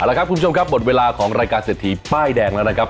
แล้วครับคุณผู้ชมครับหมดเวลาของรายการเศรษฐีป้ายแดงแล้วนะครับ